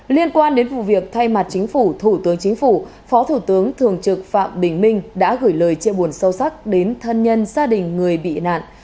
liên quan đến vụ việc thay mặt chính phủ thủ tướng chính phủ phó thủ tướng thường trực phạm bình minh đã gửi lời chia buồn sâu sắc đến thân nhân gia đình người bị nạn